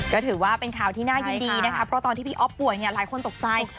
ก็ถือว่าเป็นข่าวที่น่ายินดีนะคะเพราะตอนที่พี่อ๊อฟป่วยเนี่ยหลายคนตกใจ